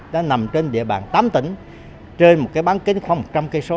đã nằm trên địa bàn tám tỉnh trên một cái bán kính khoảng một trăm linh km